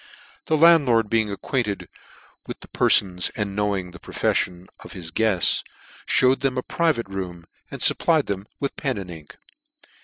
The landlord being acquainted with the perfons, and knowing the profefllon of" his guefts, fhewed them a private room, and fupplied them with pen and ink.